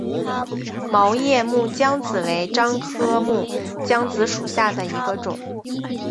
毛叶木姜子为樟科木姜子属下的一个种。